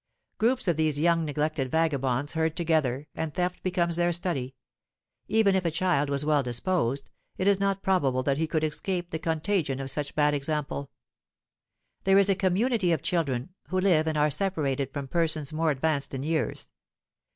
Groups of these young neglected vagabonds herd together, and theft becomes their study; even if a child was well disposed, it is not probable that he could escape the contagion of such bad example. There is a community of children, who live and are separated from persons more advanced in years.